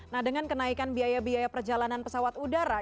nah dengan kenaikan biaya biaya perjalanan pesawat udara